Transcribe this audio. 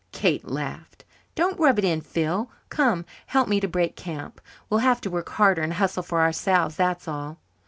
Kate laughed. "Don't rub it in, Phil. Come, help me to break camp. We'll have to work harder and hustle for ourselves, that's all."